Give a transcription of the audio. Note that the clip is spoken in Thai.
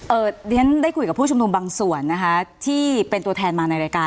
เรียนได้คุยกับผู้ชุมนุมบางส่วนนะคะที่เป็นตัวแทนมาในรายการ